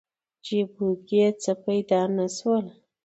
جیبو کې څه پیدا نه شول.